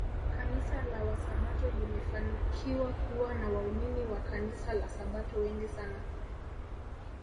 Kanisa la wasabato limefanukiwa kuwa na waumini wa kanisla la Sabato wengi sana